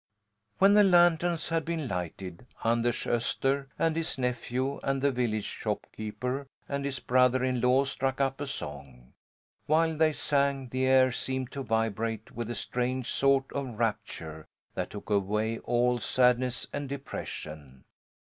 When the lanterns had been lighted, Anders Öster and his nephew and the village shopkeeper and his brother in law struck up a song. While they sang the air seemed to vibrate with a strange sort of rapture that took away all sadness and depression.